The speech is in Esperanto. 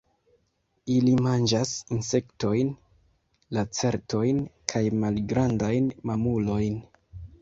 Ili manĝas insektojn, lacertojn kaj malgrandajn mamulojn.